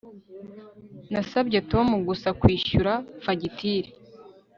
Nasabye Tom gusa kwishyura fagitire